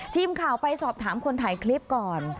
ทีมข่าวไปสอบถามคนถ่ายคลิปก่อน